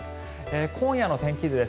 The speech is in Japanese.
今夜の天気図です。